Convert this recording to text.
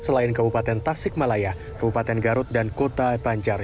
selain kabupaten tasik malaya kabupaten garut dan kota banjar